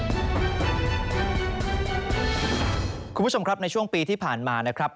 คุณผู้ชมครับในช่วงปีที่ผ่านมานะครับ